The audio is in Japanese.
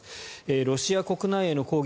ロシア国内への攻撃